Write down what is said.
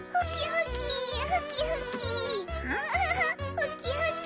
ふきふき。